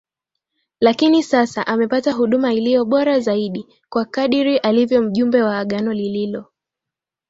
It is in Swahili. Lakini sasa amepata huduma iliyo bora zaidi kwa kadiri alivyo mjumbe wa agano lililo